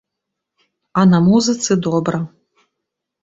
А на музыцы добра.